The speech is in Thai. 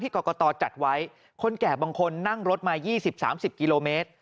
กรกตจัดไว้คนแก่บางคนนั่งรถมา๒๐๓๐กิโลเมตร